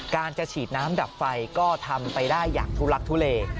การจะฉีดน้ำดับไฟก็ทำไปได้อย่างทุลักทุเล